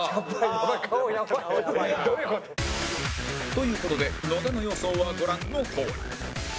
という事で野田の予想はご覧のとおり